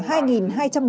hai thẻ căn cước công dân